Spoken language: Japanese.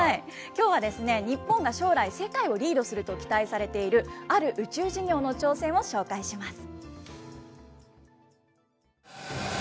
きょうはですね、日本が将来、世界をリードすると期待されている、ある宇宙事業の挑戦を紹介します。